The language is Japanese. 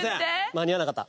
間に合わなかった。